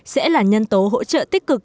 sẽ là nhân tố hỗ trợ tích cực